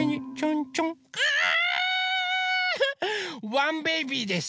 ワンベイビーです。